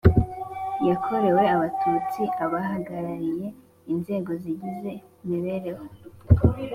Yakorewe abatutsi abahagarariye inzego zigize mibereho